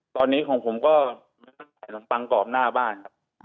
ตอนนี้ของผมก็มานั่งขายขนมปังกรอบหน้าบ้านครับ